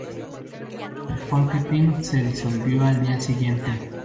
El Folketing se disolvió al día siguiente.